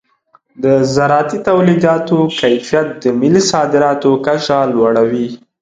د زراعتي تولیداتو کیفیت د ملي صادراتو کچه لوړوي.